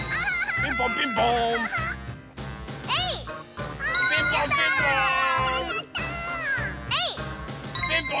ピンポンピンポーン。